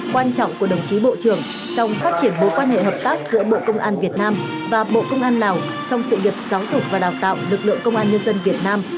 quan trọng của đồng chí bộ trưởng trong phát triển mối quan hệ hợp tác giữa bộ công an việt nam và bộ công an lào trong sự nghiệp giáo dục và đào tạo lực lượng công an nhân dân việt nam